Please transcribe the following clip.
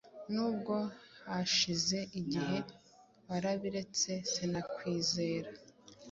n’ubwo hashize igihe warabiretse sinakwizera